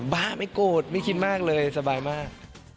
บ้าไม่โกรธไม่คิดมากเลยสบายมาก